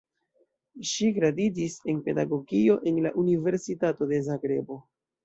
Ŝi gradiĝis en pedagogio en la Universitato de Zagrebo.